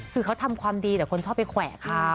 คือเขาทำความดีแต่คนชอบไปแขวะเขา